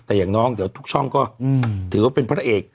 แต่อย่างน้องถือว่าเป็นพระเอก